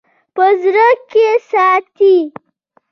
په زړه کښې ساتي--